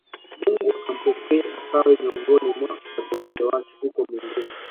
mungu ampokea akawe miongoni mwa wateule wake huko mbinguni